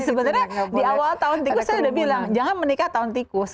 sebenarnya di awal tahun tikus saya udah bilang jangan menikah tahun tikus